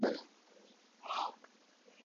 متل دی: بارونه یې تړل اوښانو ژړل.